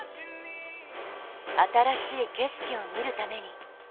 新しい景色を見るために。